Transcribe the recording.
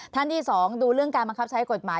ท่านที่๒ดูเรื่องการบังคับใช้กฎหมาย